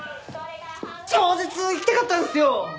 超絶行きたかったんですよ！